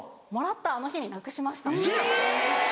もらったあの日になくしました」。